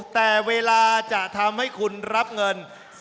แต่เวลาจะทำให้คุณรับเงิน